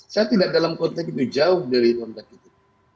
saya tidak dalam konteks itu jauh dari konteks itu